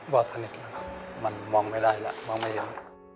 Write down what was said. อดสนิทนะครับมันมองไม่ได้แล้วมองไม่ยัง